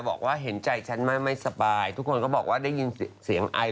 บอกว่าเห็นใจฉันมากไม่สบายทุกคนก็บอกว่าได้ยินเสียงไอ